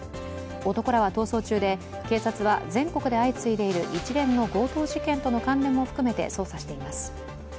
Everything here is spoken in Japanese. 男らは逃走中で、警察は全国で相次いでいる一連の強盗事件との関連も含めて捜査しています。